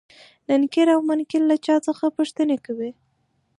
نکير او منکر له چا څخه پوښتنې کوي؟